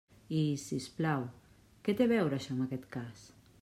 I, si us plau, ¿què té a veure això amb aquest cas?